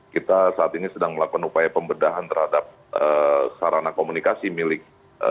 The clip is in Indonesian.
kita saat ini sedang melakukan upaya pembedahan terhadap sarana komunikasi milik